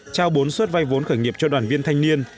trao bốn suất vay vốn khởi nghiệp cho đoàn viên thanh niên